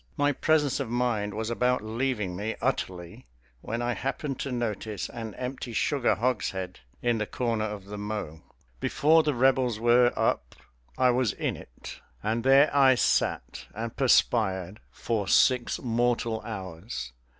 My presence of mind was about leaving me utterly when I happened to notice an empty sugar hogshead in the corner of the mow. Before the Rebels were up I was in it, and there I sat and perspired for six mortal hours.